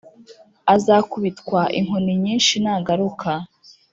azakubitwa inkoni nyinshi na garuka